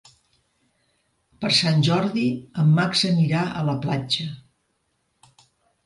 Per Sant Jordi en Max anirà a la platja.